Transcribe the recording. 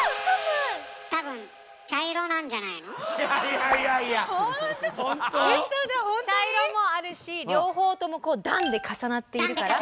茶色もあるし両方とも段で重なっているから。